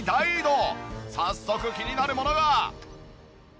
早速気になるものが。